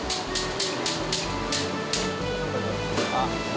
あっ！